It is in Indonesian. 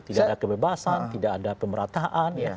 tidak ada kebebasan tidak ada pemerataan